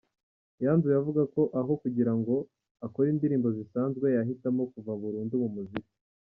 Yanzuye avuga ko aho kugira ngo akore indirimbo zisanzwe, yahitamo kuva burundu mu muziki.